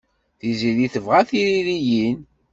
Tiziri tebɣa tiririyin.